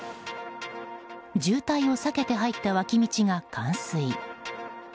渋滞を避けて入った脇道が冠水。